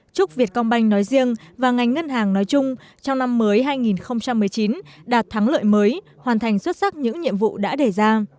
chúc việt công banh nói riêng và ngành ngân hàng nói chung trong năm mới hai nghìn một mươi chín đạt thắng lợi mới hoàn thành xuất sắc những nhiệm vụ đã đề ra